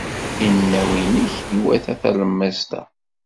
Inaw-nnek iwata talemmiẓt-a.